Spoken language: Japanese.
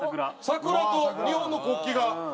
桜と日本の国旗が。